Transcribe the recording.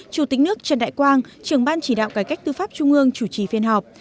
chủ tịch nước trần đại quang trưởng ban chỉ đạo cải cách tư pháp trung ương chủ trì phiên họp